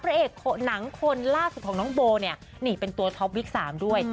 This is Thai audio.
หนังคนล่าสุดของน้องโบเนี่ยนี่เป็นตัวท็อปวิก๓ด้วย